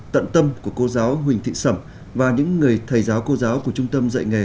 tận tâm của cô giáo huỳnh thị sầm và những người thầy giáo cô giáo của trung tâm dạy nghề